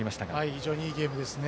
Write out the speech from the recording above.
非常にいいゲームですね。